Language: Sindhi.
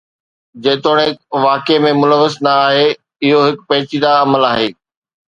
جيتوڻيڪ واقعي ۾ ملوث نه آهي، اهو هڪ پيچيده عمل آهي.